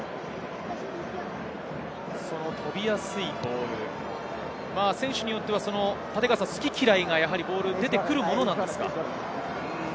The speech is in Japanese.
飛びやすいボール、選手によっては好き嫌いが出てくるものなんですか？